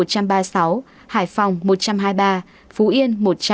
hải phòng một trăm hai mươi ba phú yên một trăm linh